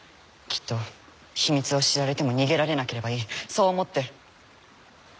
きっと秘密を知られても逃げられなければいいそう思って。